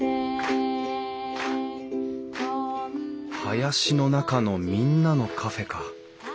「林の中のみんなのカフェ」か。